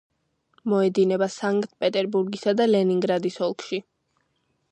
მოედინება სანქტ-პეტერბურგსა და ლენინგრადის ოლქში.